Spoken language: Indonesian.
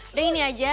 udah ini aja